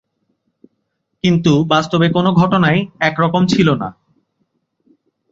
কিন্তু বাস্তবে কোনো ঘটনাই এক রকম ছিল না।